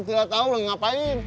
tidak tau lagi ngapain